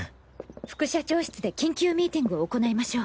副社長室で緊急ミーティングを行いましょう。